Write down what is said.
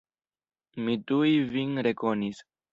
Mi tuj vin rekonis.